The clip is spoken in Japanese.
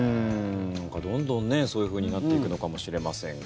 どんどんそういうふうになっていくのかもしれませんが。